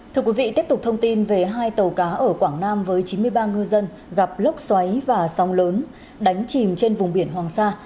thưa quý vị tiếp tục thông tin về hai tàu cá ở quảng nam với chín mươi ba ngư dân gặp lốc xoáy và sóng lớn đánh chìm trên vùng biển hoàng sa